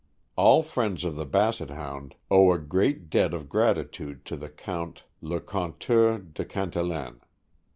All friends of the Basset Hound owe a great debt of gratitude to the Count le Couteult de Canteleu.